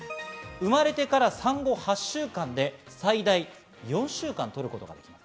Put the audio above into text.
生まれてから産後８週間で最大４週間取ることができます。